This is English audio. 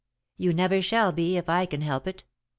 "You never shall be, if I can help it.